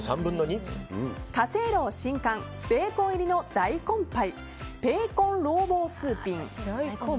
華正樓新館ベーコン入りの大根パイベイコンローボースーピン。